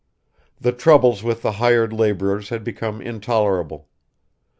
The troubles with the hired laborers had become intolerable.